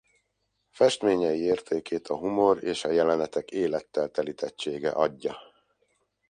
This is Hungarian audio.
Festményei értékét a humor és a jelenetek élettel telítettsége adja.